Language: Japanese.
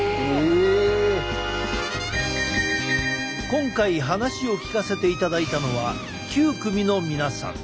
今回話を聞かせていただいたのは９組の皆さん。